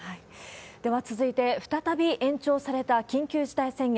では続いて、再び延長された緊急事態宣言。